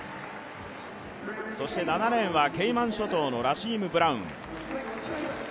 そして７レーンはケイマン諸島のラシーム・ブラウン。